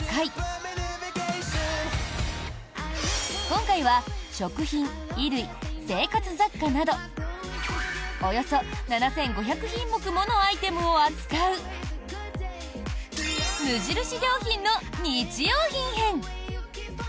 今回は食品、衣類、生活雑貨などおよそ７５００品目ものアイテムを扱う無印良品の日用品編。